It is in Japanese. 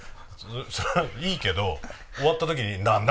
それはいいけど終わった時に「何だ？